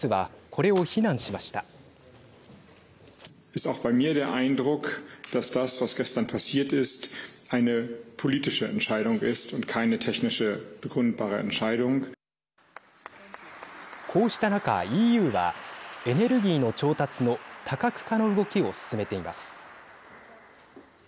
こうした中、ＥＵはエネルギーの調達の多角化の動きを進めています。